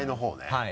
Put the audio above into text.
はい。